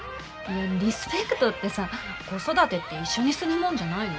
リスペクトってさ子育てって一緒にするもんじゃないの？